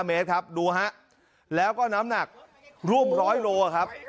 เมตรครับดูฮะแล้วก็น้ำหนักร่วมร้อยโลครับ